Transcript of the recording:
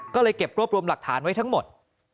ก็เลยเก็บรวบรวมหลักฐานไว้ทั้งหมด